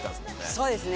そうですね